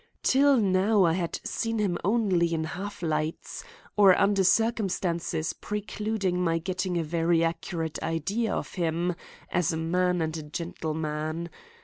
Till now I had seen him only in half lights, or under circumstances precluding my getting a very accurate idea of him as a man and a gentleman.